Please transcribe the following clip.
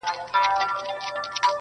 له مايې ما اخله.